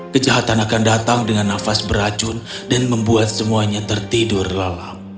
kejahatan akan datang dengan nafas beracun dan membuat semuanya tertidur lelap